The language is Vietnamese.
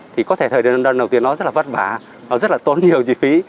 thì có thể thời điểm lần đầu tiên nó rất là vất vả nó rất là tốn nhiều chi phí